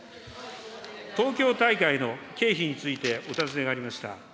東京大会の経費についてお尋ねがありました。